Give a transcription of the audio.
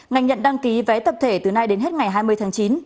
ngành nhận đăng ký vé tập thể từ nay đến hết ngày hai mươi tháng chín